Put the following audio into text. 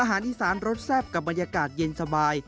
อาหารอีสานรสแซ่บกับบรรยากาศเย็นสบาย